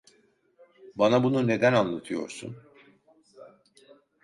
Bana bunu neden anlatıyorsun?